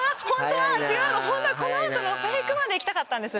ホントはこの後のフェイクまで行きたかったんです。